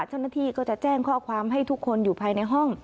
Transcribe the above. เจ้าหน้าที่ก็จะแจ้งข้อความให้ทุกคนอยู่ภายในห้อง